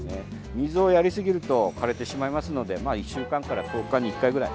水をやりすぎると枯れてしまいますので１週間とか１０日に１回くらい。